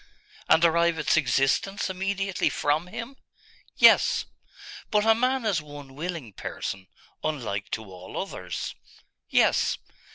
'And derive its existence immediately from Him?' 'Yes.' 'But a man is one willing person, unlike to all others.' 'Yes.